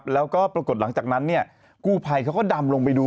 แล้วก็ปรากฏหลังจากนั้นเนี่ยกู้ภัยเขาก็ดำลงไปดู